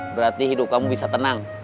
berarti hidup kamu bisa tenang